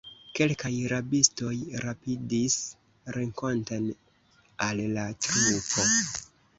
Kelkaj rabistoj rapidis renkonten al la trupo.